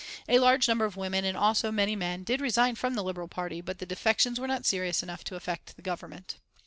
A large number of women, and also many men, did resign from the Liberal Party, but the defections were not serious enough to affect the Government.